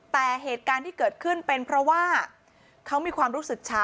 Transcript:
แต่เหตุการณ์ที่เกิดขึ้นเป็นเพราะว่าเขามีความรู้สึกช้า